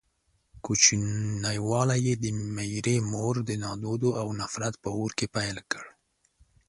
کوچنيوالی يې د ميرې مور د نادودو او نفرت په اور کې پيل کړ.